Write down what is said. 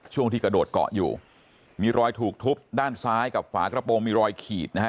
ช่วงที่กระโดดเกาะอยู่มีรอยถูกทุบด้านซ้ายกับฝากระโปรงมีรอยขีดนะฮะ